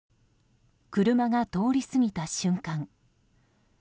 車が通り過ぎた瞬間。